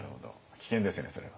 危険ですよねそれは。